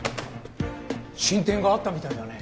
進展があったみたいだね。